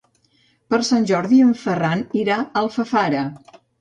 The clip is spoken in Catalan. Per Sant Jordi en Ferran irà a Alfafara.